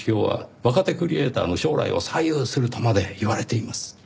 若手クリエイターの将来を左右するとまで言われています。